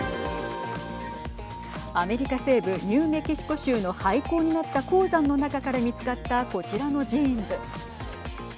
アメリカ西部ニューメキシコ州の廃坑になった鉱山の中から見つかったこちらのジーンズ。